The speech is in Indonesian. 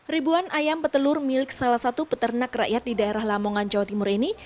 ribuan ayam petelur milik salah satu peternak rakyat di daerah lamongan jawa timur ini